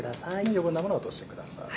余分なものは落としてください。